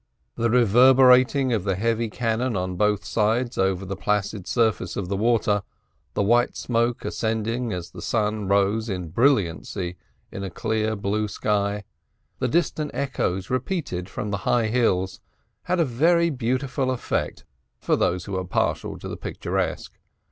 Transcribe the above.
The reverberating of the heavy cannon on both sides over the placid surface of the water the white smoke ascending as the sun rose in brilliancy in a clear blue sky the distant echoes repeated from the high hills had a very beautiful effect for those who are partial to the picturesque.